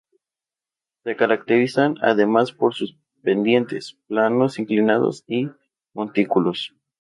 Se caracterizan además por sus pendientes, planos inclinados y montículos.